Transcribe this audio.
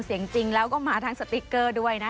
ชีวิตกระมวลวิสิทธิ์สุภาณีขวดชภัณฑ์